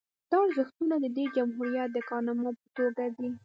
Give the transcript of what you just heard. دا ارزښتونه د دې جمهوریت د کارنامو په توګه دي